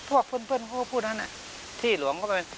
พวกเพื่อนพูดอันนั้นที่หลวงก็เป็น